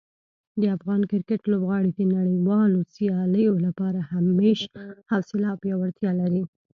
د افغان کرکټ لوبغاړي د نړیوالو سیالیو لپاره همیش حوصله او پیاوړتیا لري.